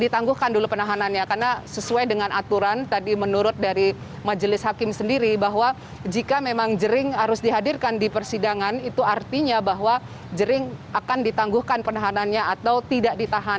ditangguhkan dulu penahanannya karena sesuai dengan aturan tadi menurut dari majelis hakim sendiri bahwa jika memang jering harus dihadirkan di persidangan itu artinya bahwa jering akan ditangguhkan penahanannya atau tidak ditahan